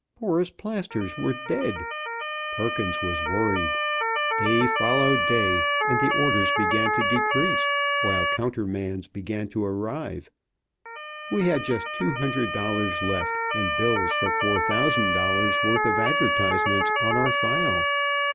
Porous Plasters were dead. Perkins was worried. Day followed day; and the orders began to decrease, while countermands began to arrive. We had just two hundred dollars left, and bills for four thousand dollars' worth of advertisements on our file.